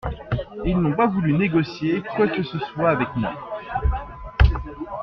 Ils n'ont pas voulu négocier quoi que ce soit avec moi.